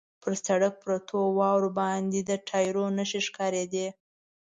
پر سړک پرتو واورو باندې د ټایرو نښې ښکارېدې.